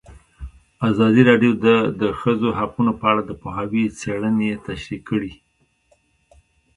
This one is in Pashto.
ازادي راډیو د د ښځو حقونه په اړه د پوهانو څېړنې تشریح کړې.